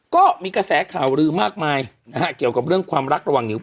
ก็มีกระแสข่าวลือมากมายนะฮะเกี่ยวกับเรื่องความรักระหว่างหิว